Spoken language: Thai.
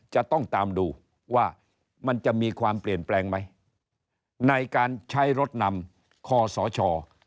จะต้องตามดูว่ามันจะมีความเปลี่ยนแปลงไหมในการใช้รถนำคอสช